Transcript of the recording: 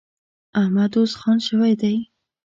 احمد اوس خان شوی دی.